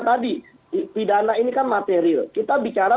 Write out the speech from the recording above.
tadi pidana ini kan material kita bicara